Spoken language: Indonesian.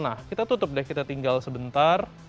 nah kita tutup deh kita tinggal sebentar